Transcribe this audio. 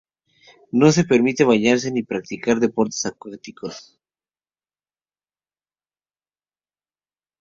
No se permite bañarse ni practicar deportes acuáticos.